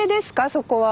そこは。